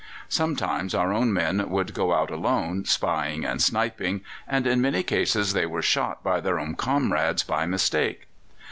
Sometimes our own men would go out alone, spying and sniping, and in many cases they were shot by their own comrades by mistake.